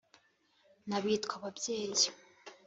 n’abitwa ababyeyi